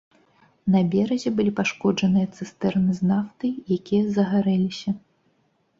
На беразе былі пашкоджаныя цыстэрны з нафтай, якая загарэлася.